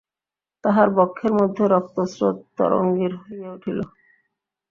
তাঁহার বক্ষের মধ্যে রক্তস্রোত তরঙ্গিত হইয়া উঠিল।